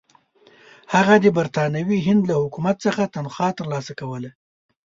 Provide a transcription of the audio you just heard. هغه د برټانوي هند له حکومت څخه تنخوا ترلاسه کوله.